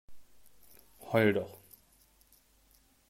Heul doch!